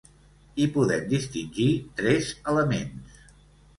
Hi podem distingir tres elements.